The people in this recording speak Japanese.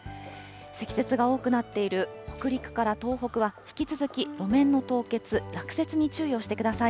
積雪が多くなっている北陸から東北は、引き続き路面の凍結、落雪に注意をしてください。